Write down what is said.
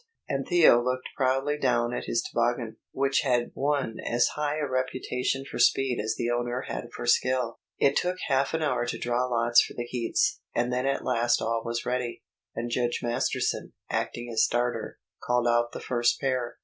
and Theo looked proudly down at his toboggan, which had won as high a reputation for speed as the owner had for skill. It took half an hour to draw lots for the heats, and then at last all was ready, and Judge Masterton, acting as starter, called out the first pair.